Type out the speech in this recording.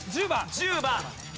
１０番。